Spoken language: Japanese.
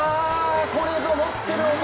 これぞ持ってる男。